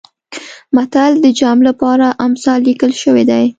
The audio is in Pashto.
مثل د جمع لپاره امثال لیکل شوی دی